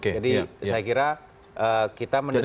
jadi saya kira kita mendesak